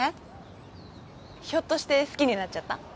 ひょっとして好きになっちゃった？